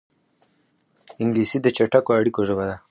انګلیسي د چټکو اړیکو ژبه ده